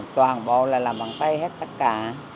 toàn bộ là làm bằng tay hết tất cả